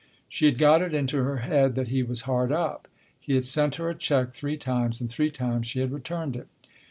She had got it into her head that he was hard up. He had sent her a cheque three times, and three times she had returned it.